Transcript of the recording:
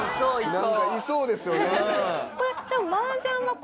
なんかいそうですよね。